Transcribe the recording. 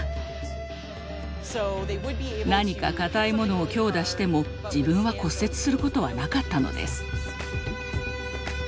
何か硬いものを強打しても自分は骨折することはなかったのです。